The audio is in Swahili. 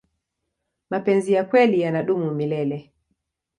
mapenzi ya kweli yanadumu milele